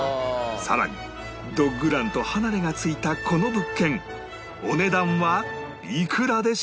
さらにドッグランと離れが付いたこの物件お値段はいくらでしょうか？